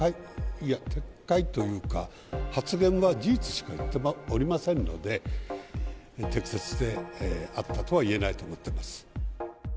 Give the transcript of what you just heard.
いや、撤回というか、発言は事実しか言っておりませんので、適切であったとはいえないと思ってます。